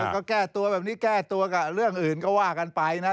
ก็แก้ตัวแบบนี้แก้ตัวกับเรื่องอื่นก็ว่ากันไปนะ